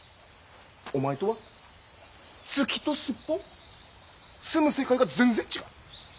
お前とは月とスッポン住む世界が全然違う。